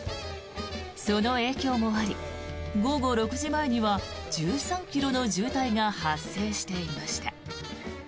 その影響もあり、午後６時前には１３ｋｍの渋滞が発生していました。